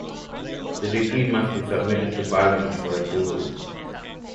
The decree must be submitted to parliament for approval.